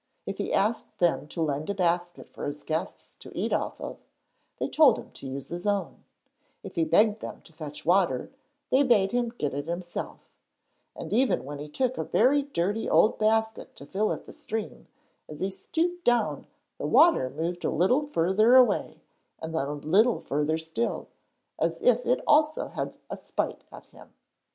If he asked them to lend him a basket for his guests to eat off, they told him to use his own; if he begged them to fetch water, they bade him get it himself, and even when he took a very dirty old basket to fill at the stream, as he stooped down the water moved a little further away and then a little further still, as if it also had a spite at him.